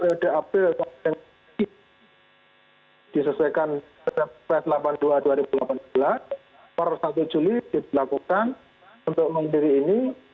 rp delapan dua rp empat puluh satu rp empat puluh satu dilakukan untuk mandiri ini